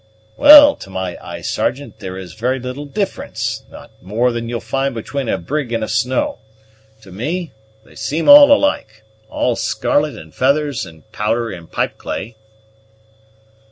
"Well, to my eye, Sergeant, there is very little difference, not more than you'll find between a brig and a snow. To me they seem alike: all scarlet, and feathers, and powder, and pipeclay."